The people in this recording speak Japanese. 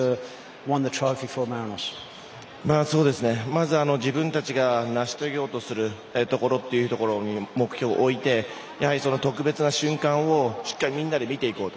まず、自分たちが成し遂げようとするところに目標を置いて、その特別な瞬間をしっかりみんなで見ていこう。